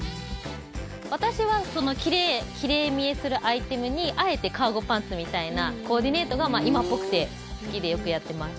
私は奇麗見えするアイテムにあえてカーゴパンツみたいなコーディネートが今っぽくて好きでよくやってます。